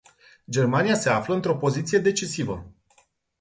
Germania se află într-o poziție decisivă.